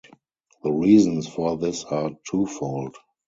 The reasons for this are twofold.